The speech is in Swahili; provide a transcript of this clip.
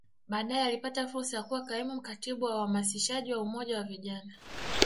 Baadae alipata fursa ya kuwa Kaimu Katibu wa Uhamasishaji wa Umoja wa Vijana